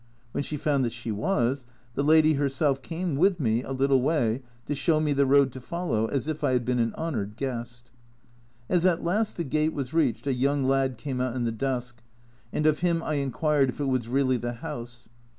When she found that she was, the lady herself came with me a little way to show me the road to follow, as if I had been an honoured guest. As at last the gate was reached, a young lad came out in the dusk, and of him I inquired if it was really the house.